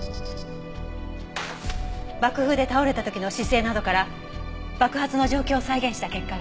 爆風で倒れた時の姿勢などから爆発の状況を再現した結果がこれ。